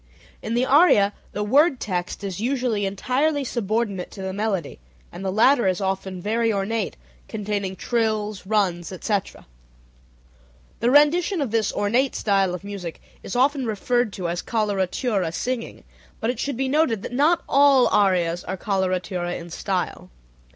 In the aria the word text is usually entirely subordinate to the melody, and the latter is often very ornate, containing trills, runs, etc. The rendition of this ornate style of music is often referred to as "coloratura singing," but it should be noted that not all arias are coloratura in style.